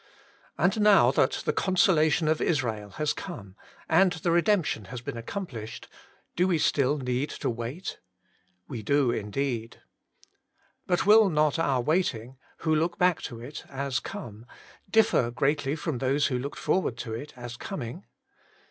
And now that the Consolation of Israel has come, and the redemption has been accomplished, do we still need to wait ? We do indeed. But will not our waiting, who look back to it as come, differ greatly from those who looked forward to it as coming